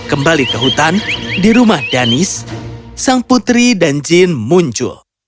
kembali ke hutan di rumah danis sang putri dan jin muncul